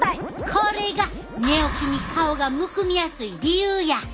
これが寝起きに顔がむくみやすい理由や！